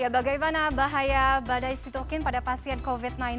bagaimana bahaya badai sitokin pada pasien covid sembilan belas